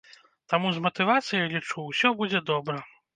Таму з матывацыяй, лічу, усё будзе добра.